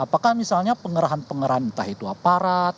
apakah misalnya pengerahan pengerahan entah itu aparat